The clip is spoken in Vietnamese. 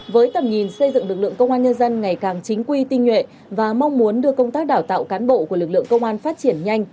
với tầm nhìn xây dựng lực lượng công an nhân dân ngày càng chính quy tinh nhuệ và mong muốn đưa công tác đào tạo cán bộ của lực lượng công an phát triển nhanh